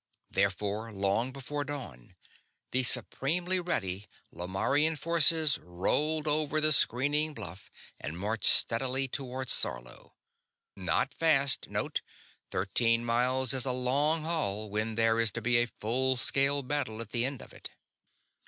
Therefore, long before dawn, the supremely ready Lomarrian forces rolled over the screening bluff and marched steadily toward Sarlo. Not fast, note; thirteen miles is a long haul when there is to be a full scale battle at the end of it.